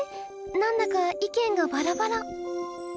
なんだか意見がバラバラ。